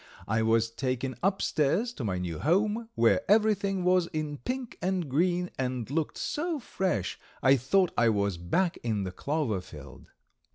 I was taken up stairs to my new home, where everything was in pink and green and looked so fresh I thought I was back in the clover field.